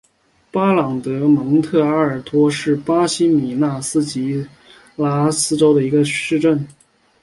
巴朗德蒙特阿尔托是巴西米纳斯吉拉斯州的一个市镇。